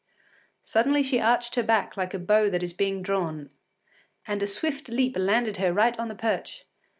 Suddenly she arched her back like a bow that is being drawn, and a swift leap landed her right on the perch.